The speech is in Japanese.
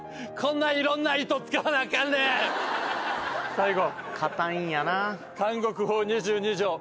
最後。